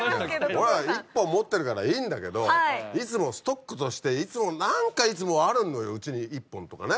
俺は１本持ってるからいいんだけどいつもストックとして何かいつもあるのようちに１本とかね。